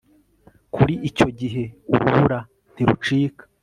Kuri icyo gihe urubura ntirucika